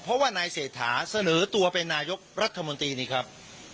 เพราะว่านายเศรษฐาเสนอตัวเป็นนายกรัฐมนตรีนี่ครับ